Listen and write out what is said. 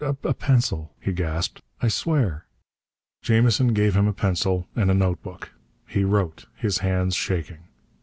"A a pencil!" he gasped. "I swear " Jamison gave him a pencil and a notebook. He wrote, his hands shaking.